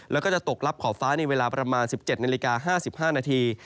แล้วก็จะตกรับขอบฟ้าในเวลาประมาณ๑๗นาฬิกา๕๕นาที